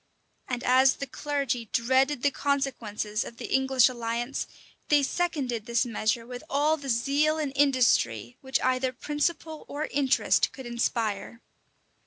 [] And as the clergy dreaded the consequences of the English alliance, they seconded this measure with all the zeal and industry which either principle or interest could inspire.